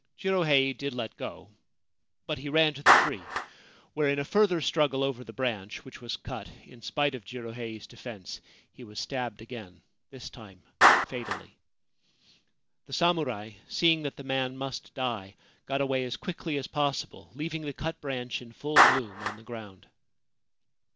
Jirohei did let go ; but he ran to the tree, where in a further struggle over the branch, which was cut in spite of Jirohei's defence, he was stabbed again, this time fatally. The samurai, seeing that the man must die, got away as quickly as possible, leaving the cut branch in full bloom on the ground.